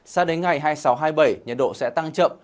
sao đến ngày hai mươi sáu hai mươi bảy nhiệt độ sẽ tăng chậm